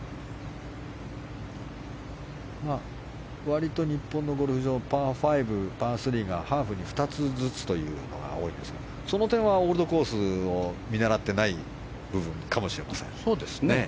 割と日本のゴルフ場パー５、パー３がハーフに２つずつというのが多いんですがその点は、オールドコースを見習ってない部分かもしれません。